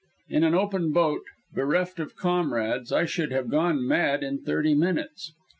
In an open boat, bereft of comrades, I should have gone mad in thirty minutes.